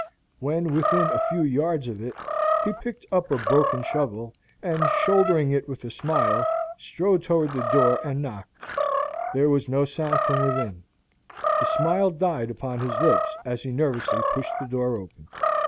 When within a few yards of it, he picked up a broken shovel, and, shouldering it with a smile, strode toward the door and knocked. There was no sound from within. The smile died upon his lips as he nervously pushed the door open.